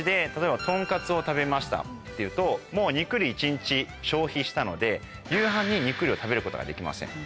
食べましたっていうともう肉類１日消費したので夕飯に肉類を食べることができません。